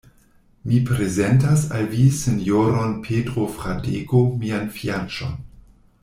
Mi prezentas al vi sinjoron Petro Fradeko, mian fianĉon.